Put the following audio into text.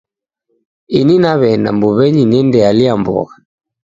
Ini naw'eenda mbuw'enyi nendealia mbogha.